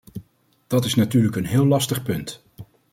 Dat is natuurlijk een heel lastig punt.